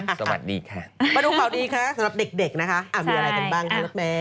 อ่าต่อไปมาผู้มีอุปกรณ์รักคุณสวัสดีค่ะสำหรับเด็กนะคะมีอะไรกันบ้างครับแม่